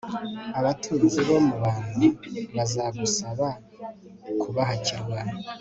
abatunzi bo mu bantu bazagusaba kubahakirwa